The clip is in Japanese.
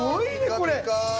これ。